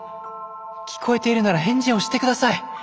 聞こえているなら返事をして下さい。